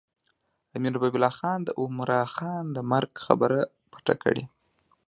امیر حبیب الله خان د عمرا خان د مرګ خبره پټه کړې.